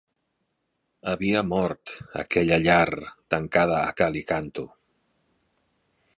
Havia mort aquella llar tancada a cal i canto.